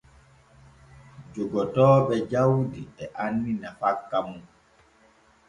Jogotooɓe jawdi e anni nafakka mum.